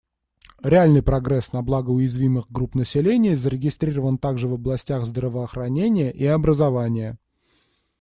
Реальный прогресс на благо уязвимых групп населения зарегистрирован также в областях здравоохранения и образования.